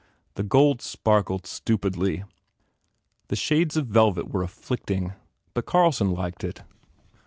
The gold sparkled stupidly. The shades of velvet were afflicting. But Carlson liked it.